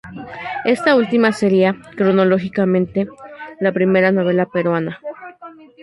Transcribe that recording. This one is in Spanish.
Esta última sería, cronológicamente, la primera novela peruana.